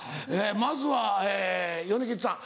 まずは米吉さん。